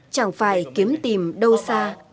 chẳng phải kiếm tìm đâu xa